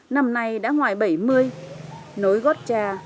năm nay đã ngoài bảy mươi nối gót cha